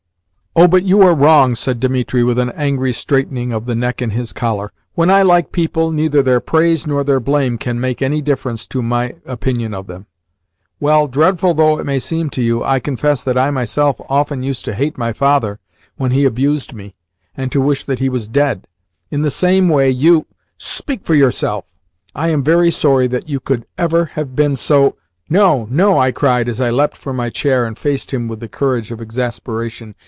"Oh, but you are wrong," said Dimitri with an angry straightening of the neck in his collar. "When I like people, neither their praise nor their blame can make any difference to my opinion of them." "Well, dreadful though it may seem to you, I confess that I myself often used to hate my father when he abused me, and to wish that he was dead. In the same way, you " "Speak for yourself. I am very sorry that you could ever have been so " "No, no!" I cried as I leapt from my chair and faced him with the courage of exasperation.